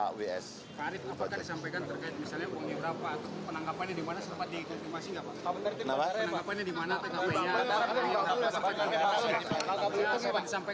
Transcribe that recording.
pak arief apakah disampaikan misalnya terkait uangnya berapa atau penanggapannya dimana sempat dikontribusi gak pak